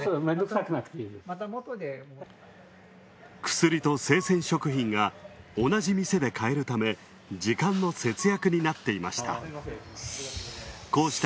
薬と生鮮食品が同じ店で買えるため時間の節約になっていました。